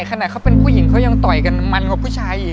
ขนาดเขาเป็นผู้หญิงเขายังต่อยกันมันกว่าผู้ชายอีก